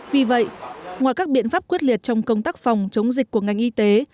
vì vậy ngoài các biện pháp quyết liệt trong công tác phòng chống dịch của ngành y tế